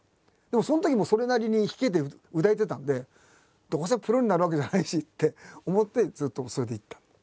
でもそのときもうそれなりに弾けて歌えてたんでどうせプロになるわけじゃないしって思ってずっとそれでいった。